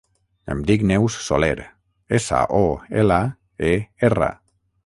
Em dic Neus Soler: essa, o, ela, e, erra.